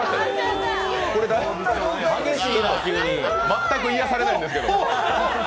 全く癒やされないんですけど。